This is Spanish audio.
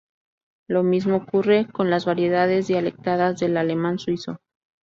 Lo mismo ocurre con las variedades dialectales del alemán suizo.